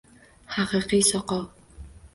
Haqiqiy soqov!..